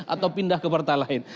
atau pindah ke partai lain